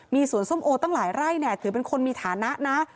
มีสวนส้มโอตั้งหลายไร่เนี่ยถือเป็นคนมีฐานะนะ